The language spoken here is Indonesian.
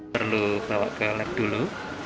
perlu bawa ke lab dulu